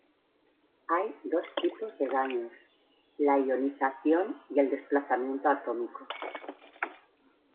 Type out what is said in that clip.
Hay dos tipos de daños: la ionización y el desplazamiento atómico.